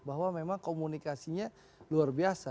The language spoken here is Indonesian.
bahwa memang komunikasinya luar biasa